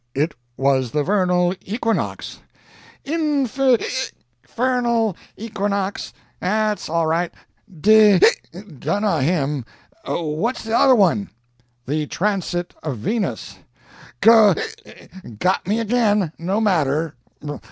"It was the Vernal Equinox." "Inf['ic!)fernal equinox. 'At's all right. D['ic !) Dunno him. What's other one?" "The transit of Venus. "G['ic !) Got me again. No matter.